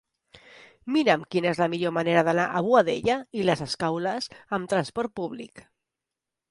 Mira'm quina és la millor manera d'anar a Boadella i les Escaules amb trasport públic.